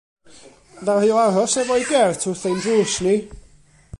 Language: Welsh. Ddaru o aros efo'i gert wrth ein drws ni.